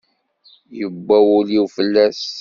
Yewwa wul-iw fell-as.